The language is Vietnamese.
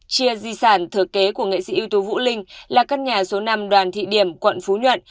chia di sản thừa kế của nghệ sĩ ưu tú vũ linh là căn nhà số năm đoàn thị điểm quận phú nhuận